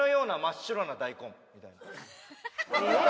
えっ？